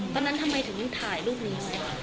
ตอนนั้นทำไมถึงถ่ายลูกนี้